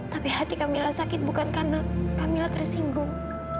tapi hati kamilah sakit bukan karena kamilah tersinggung